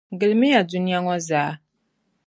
Gilimiya dunia ŋɔ zaa!